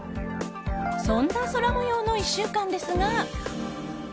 そんな空模様の１週間ですが。